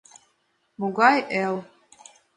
Могай эл